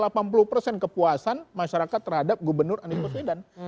itu adalah kepuasan masyarakat terhadap gubernur anies maswedan